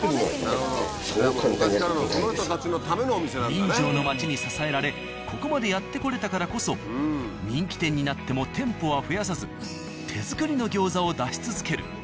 人情の町に支えられここまでやってこれたからこそ人気店になっても店舗は増やさず手作りの餃子を出し続ける。